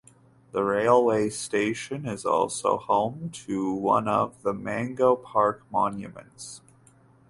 The railway station is also home to one of the Mango Park Monuments.